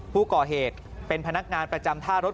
ผู้ก่อเหตุเป็นพนักงานประจำท่ารถ